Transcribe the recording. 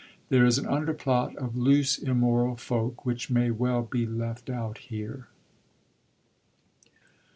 There is an underplot of loose, immoral folk, which may well be left out here.